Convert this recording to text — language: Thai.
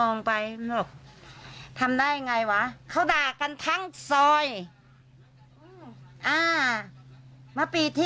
นี่ครับ